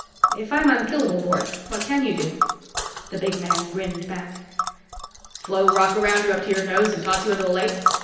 "If I'm unkillable, Bork, what can you do?" The big man grinned back. "Flow rock around you up to your nose and toss you into a lake.